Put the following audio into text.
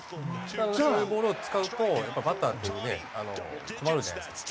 なのでそういうボールを使うとやっぱりバッター困るじゃないですか。